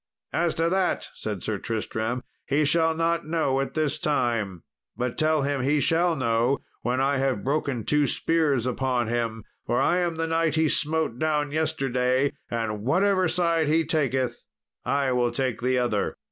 "As to that," said Sir Tristram, "he shall not know at this time, but tell him he shall know when I have broken two spears upon him, for I am the knight he smote down yesterday, and whatever side he taketh, I will take the other."